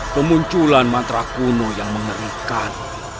kemunculan mantra kuno yang mengerikan